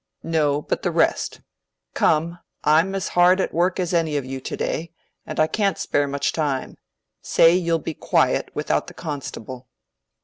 "No, but the rest. Come, I'm as hard at work as any of you to day, and I can't spare much time. Say you'll be quiet without the constable."